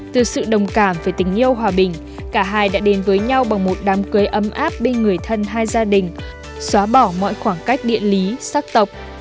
từ sự đồng cảm về tình yêu hòa bình cả hai đã đến với nhau bằng một đám cưới ấm áp bên người thân hai gia đình xóa bỏ mọi khoảng cách địa lý sắc tộc